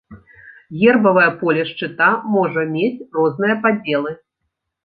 Гербавае поле шчыта можа мець розныя падзелы.